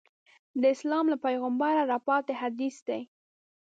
د اسلام له پیغمبره راپاتې حدیث دی.